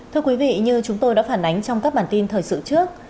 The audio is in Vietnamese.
thưa quý vị như chúng tôi đã phản ánh trong các bản tin thời sự trước